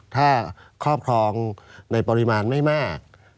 ถ้าครอบครองในปริมาณไม่มาก